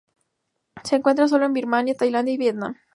Se encuentra sólo en Birmania, Tailandia y Vietnam.